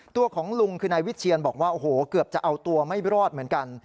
ตัวของลุงคือนายวิเชียนบอกว่าโอ้โหเกือบจะเอาตัวไม่รอดเหมือนกัน